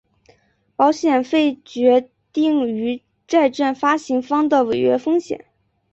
保险费决定于债券发行方的违约风险。